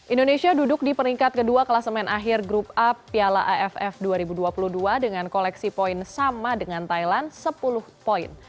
indonesia duduk di peringkat kedua kelas main akhir grup a piala aff dua ribu dua puluh dua dengan koleksi poin sama dengan thailand sepuluh poin